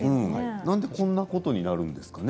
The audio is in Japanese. なんでこんなことになるんですかね？